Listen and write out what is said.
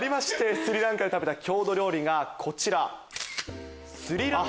スリランカで食べた郷土料理がこちら。